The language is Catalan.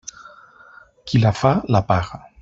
Qui la fa, la paga.